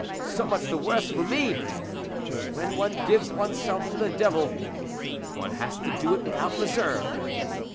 So much the worse for me! but when one gives oneself to the devil, one has to do it without reserve."